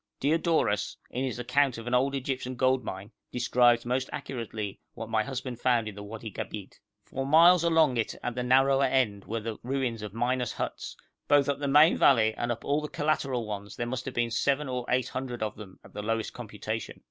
Diodorus, in his account of an old Egyptian gold mine, describes most accurately what my husband found in the Wadi Gabeit. For miles along it at the narrower end were the ruins of miners' huts; both up the main valley and up all the collateral ones there must have been seven or eight hundred of them at the lowest computation.